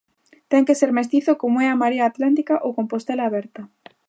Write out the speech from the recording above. Ten que ser mestizo como é a Marea Atlántica ou Compostela Aberta.